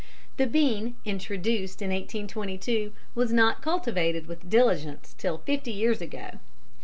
The bean, introduced in 1822, was not cultivated with diligence till fifty years ago.